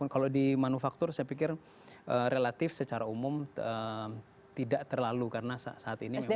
kalau di manufaktur saya pikir relatif secara umum tidak terlalu karena saat ini memang